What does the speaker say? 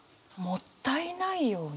「もったいないような」。